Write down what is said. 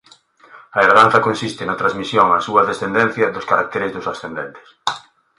A herdanza consiste na transmisión á súa descendencia dos caracteres dos ascendentes.